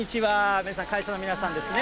皆さん、会社の皆さんですね。